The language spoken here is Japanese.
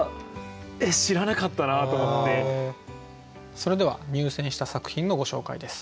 それでは入選した作品のご紹介です。